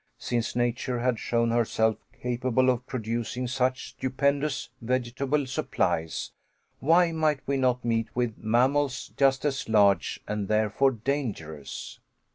Since nature had shown herself capable of producing such stupendous vegetable supplies, why might we not meet with mammals just as large, and therefore dangerous?